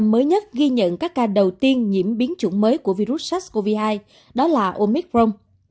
mới nhất ghi nhận các ca đầu tiên nhiễm biến chủng mới của virus sars cov hai đó là omicron